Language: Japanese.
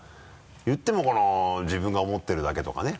言っても自分が思ってるだけとかね。